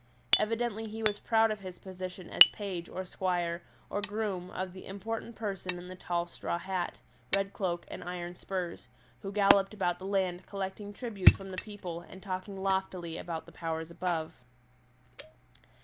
Evidently he was proud of his position as page or squire or groom of the important person in the tall straw hat, red cloak, and iron spurs, who galloped about the land collecting tribute from the people and talking loftily about the Powers above.